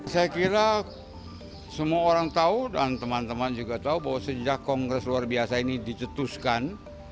saya kira semua orang tahu dan teman teman juga tahu bahwa sejak kongres luar biasa ini dicetuskan